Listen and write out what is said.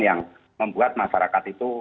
yang membuat masyarakat itu